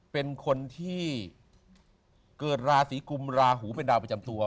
เป็นคนที่เกิดราศีกุมราหูเป็นดาวประจำตัว